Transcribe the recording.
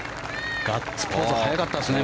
ガッツポーズ早かったですね。